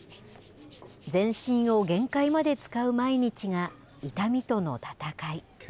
全身を限界まで使う毎日が痛みとの闘い。